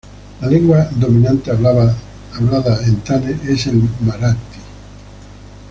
La lengua dominante hablada en Thane es el marathi.